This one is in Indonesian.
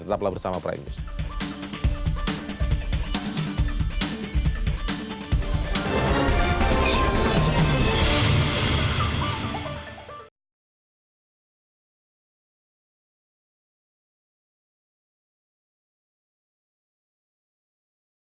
tetaplah bersama prime news